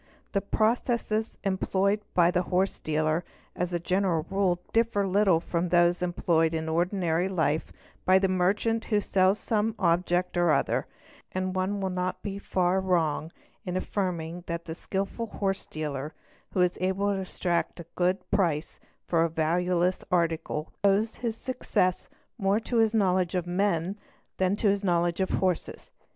'lhe processes employed by the horse dealer as a general rule differ little from those employed in ordinary life by the * merchant who sells some object or other, and one will not be far wrong nm affirming that the skilful horse dealer who is able to extract a good price for a valueless article owes his success more to his knowledge of men than to his knowledge of horses.